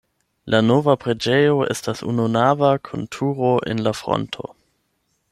La nova preĝejo estas ununava kun turo en la fronto.